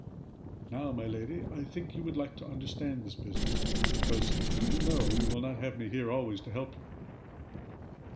"Now, my lady, I think you would like to understand this business; because, do you know you will not have me here always to help you."